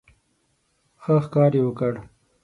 ښه ښکار یې وکړ.